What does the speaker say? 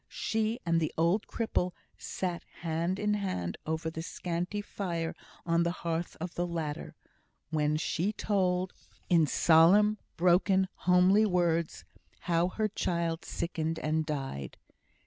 She and the old cripple sat hand in hand over the scanty fire on the hearth of the latter, while she told in solemn, broken, homely words, how her child sickened and died.